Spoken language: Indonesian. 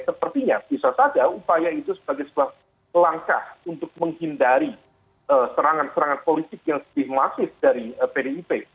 sepertinya bisa saja upaya itu sebagai sebuah langkah untuk menghindari serangan serangan politik yang stigmatis dari pdip